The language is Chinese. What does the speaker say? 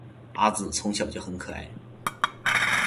阿梓从小就很可爱